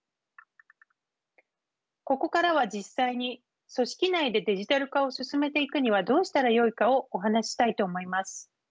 ここからは実際に組織内でデジタル化を進めていくにはどうしたらよいかをお話ししたいと思います。